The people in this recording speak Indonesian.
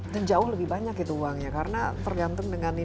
dan jauh lebih banyak itu uangnya karena tergantung dengan ini ya